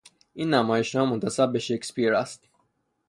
این نمایشنامه منتسب به شکسپیر است.